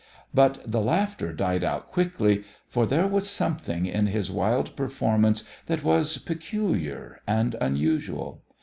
But the laughter died out quickly, for there was something in his wild performance that was peculiar and unusual.